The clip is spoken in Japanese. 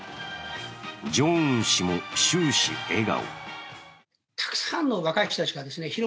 ジョンウン氏も終始笑顔。